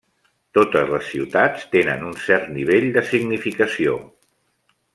Totes les ciutats tenen un cert nivell de significació.